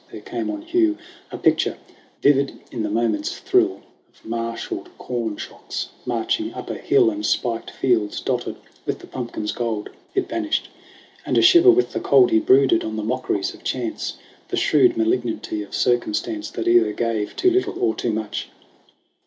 There came on Hugh A picture, vivid in the moment's thrill, Of martialed corn shocks marching up a hill And spiked fields dotted with the pumpkin's gold. It vanished ; and, a shiver with the cold, He brooded on the mockeries of Chance, The shrewd malignity of Circumstance That either gave too little or too much.